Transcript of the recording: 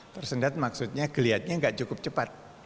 tersendat maksudnya kelihatannya nggak cukup cepat